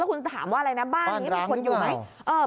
คุณถามว่าอะไรนะบ้านนี้มีคนอยู่ไหม